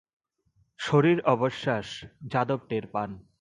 শশীর অবিশ্বাস যাদব টের পান।